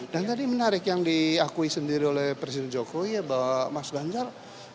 dan tadi menarik yang diakui sendiri oleh presiden jokowi ya bahwa mas ganjar